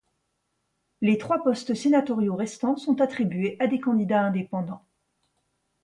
Les trois postes sénatoriaux restants sont attribués à des candidats indépendants.